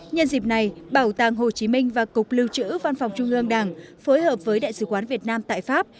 nhân dịp này bảo tàng hồ chí minh và cục lưu trữ văn phòng trung ương đảng phối hợp với đại sứ quán việt nam tại pháp